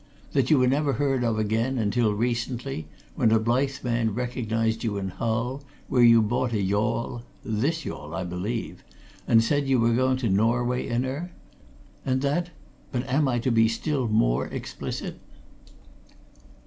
That you were never heard of again until recently, when a Blyth man recognized you in Hull, where you bought a yawl this yawl, I believe and said you were going to Norway in her. And that but am I to be still more explicit?"